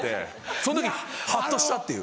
その時ハッとしたっていう。